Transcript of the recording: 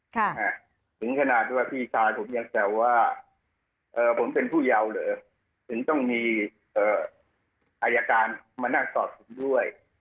ถึงขนาดที่ว่าพี่ชายผมยังแซวว่าเอ่อผมเป็นผู้เยาว์เหรอถึงต้องมีเอ่ออายการมานั่งสอบผมด้วย